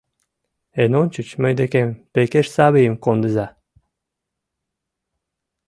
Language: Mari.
Эн ончыч мый декем Пекеш Савийым кондыза!